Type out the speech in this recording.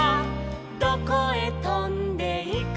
「どこへとんでいくのか」